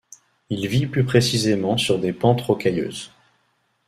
Il vit plus précisément sur des pentes rocailleuses.